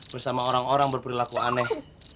bersama orang orang berperilaku aneh